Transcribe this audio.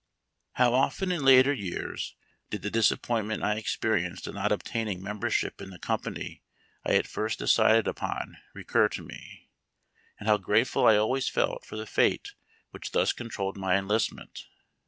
How often in later years did the disappointment I experi enced at not obtaining niembersliip in the company I at first decided upon recur to me, and how grateful I always felt for the fate which thus controlled my enlistment.